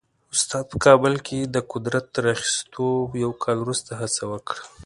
استاد په کابل کې د قدرت تر اخیستو یو کال وروسته هڅه وکړه.